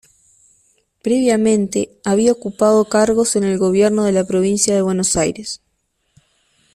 Previamente, había ocupado cargos en el gobierno de la provincia de Buenos Aires.